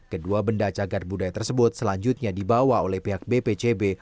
kedua benda cagar budaya tersebut selanjutnya dibawa oleh pihak bpcb